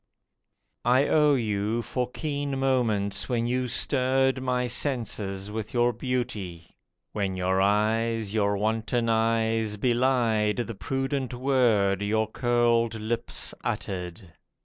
I owe you for keen moments when you stirred My senses with your beauty, when your eyes (Your wanton eyes) belied the prudent word Your curled lips uttered.